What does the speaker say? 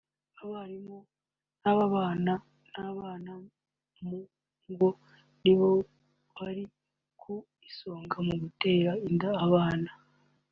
abarimu n’ababana n’abana mu ngo nibo bari ku isonga mu gutera inda abana